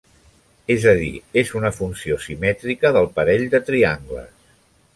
És a dir, és una funció simètrica del parell de triangles.